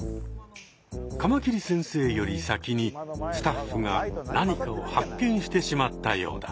カマキリ先生より先にスタッフが何かを発見してしまったようだ。